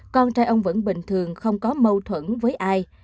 con trai ông vẫn bình thường không có mâu thuẫn với ai